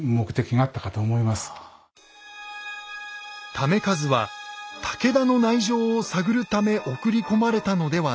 為和は武田の内情を探るため送り込まれたのではないか。